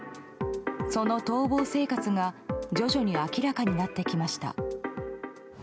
その逃亡生活が徐々に明らかになってきました。